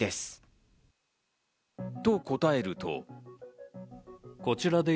と答えると。